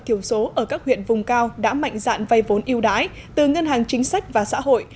thiểu số ở các huyện vùng cao đã mạnh dạn vay vốn yêu đái từ ngân hàng chính sách và xã hội